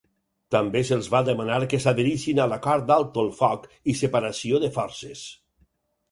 També se'ls va demanar que s'adherissin a l'Acord d'Alto el Foc i Separació de Forces.